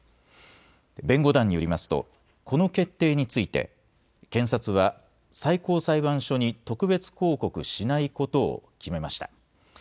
弁護団によりますとこの決定について検察は最高裁判所に特別抗告しないことを決めました。